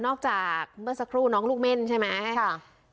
นอกจากเมื่อสักครู่น้องลูกเม่นใช่ไหม